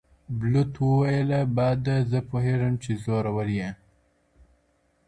بلوط وویله باده زه پوهېږم زورور یې